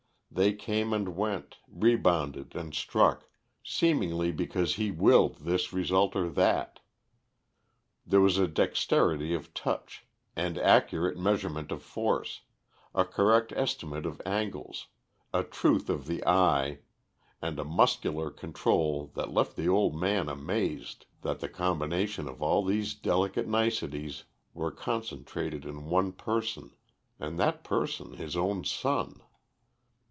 They came and went, rebounded and struck, seemingly because he willed this result or that. There was a dexterity of touch, and accurate measurement of force, a correct estimate of angles, a truth of the eye, and a muscular control that left the old man amazed that the combination of all these delicate niceties were concentrated in one person, and that person his own son.